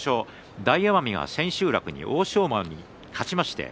大奄美が千秋楽に欧勝馬に勝ちました。